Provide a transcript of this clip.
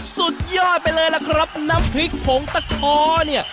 สุดยอดไปเลยล่ะครับน้ำพริกผงตะคอเนี่ย